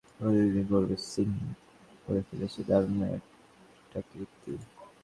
Rio অলিম্পিকের সর্বকনিষ্ঠ প্রতিযোগী নেপালের গৌরিকা সিং গড়ে ফেলেছে দারুণ একটা কীর্তি।